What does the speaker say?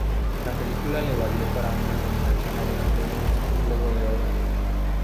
La película le valió para una nominación a los Premios Globo de Oro.